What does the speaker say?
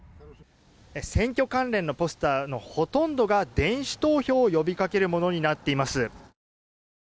選挙関連のポスターのほとんどが電子投票を呼びかけるものになっています。